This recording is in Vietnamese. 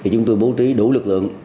chúng tôi bố trí đủ lực lượng